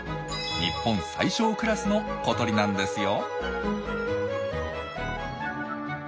日本最小クラスの小鳥なんですよ。